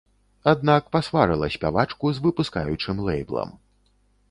Аднак пасварыла спявачку з выпускаючым лэйблам.